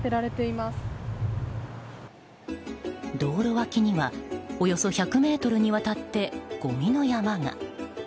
道路脇にはおよそ１００ｍにわたってごみの山が。